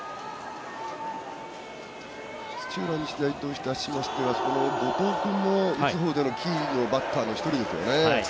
土浦日大としましては後藤君もキーのバッターの一人ですよね。